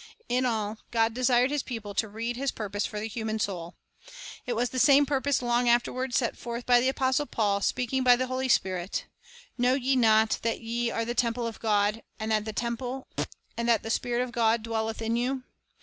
In all, God desired His people to read His purpose for the human soul. It was the same purpose long afterward set forth by the apostle Paul, speaking by the Holy Spirit: — "Know ye not that ye are the temple of God, and that the Spirit of God dwelleth in you?